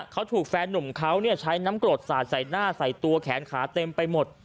เขาถูกแฟนหนุ่มเขาใช้น้ำกรดสาดใส่หน้าใส่ตัวแขนขาเต็มไปหมด